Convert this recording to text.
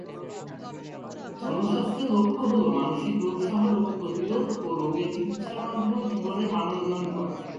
জনস্বাস্থ্যের লক্ষ্য হল মানসিক রোগ সহ রোগ প্রতিরোধ ও রোগের চিকিৎসার মাধ্যমে জীবনের মানোন্নয়ন করা।